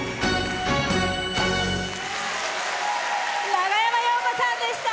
長山洋子さんでした。